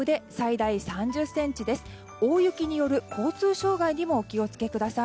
大雪による交通障害にもお気をつけください。